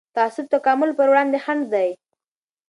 تعصب د تکامل پر وړاندې خنډ دی